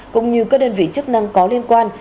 cũng như các đơn vị chức năng có liên quan